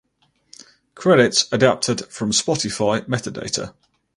Credits adapted from Spotify metadata.